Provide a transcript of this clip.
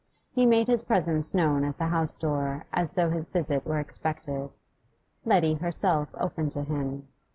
He made his presence known at the house door as though his visit were expected. Letty herself opened to him.